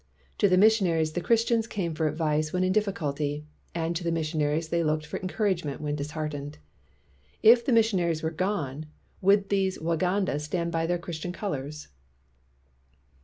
To the missionaries the Christians came for advice when in difficulty; and to the mis sionaries they looked for encouragement when disheartened. If the missionaries were gone, would these Waganda stand by their Christian colors'?